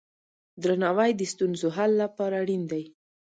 درناوی د ستونزو حل لپاره اړین دی.